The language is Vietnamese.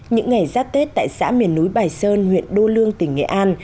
những ngày giáp tết tại xã miền núi bài sơn huyện đô lương tỉnh nghệ an